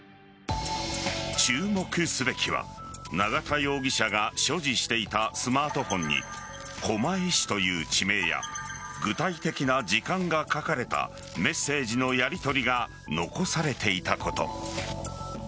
注目すべきは永田容疑者が所持していたスマートフォンに狛江市という地名や具体的な時間が書かれたメッセージのやりとりが残されていたこと。